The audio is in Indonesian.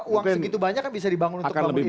uang segitu banyak kan bisa dibangun untuk bangun ini